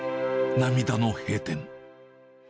涙の閉店。